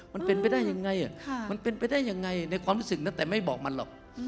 มันเป็นไปได้ยังไงมันเป็นไปได้ยังไงในความรู้สึกนะแต่ไม่บอกมันหรอก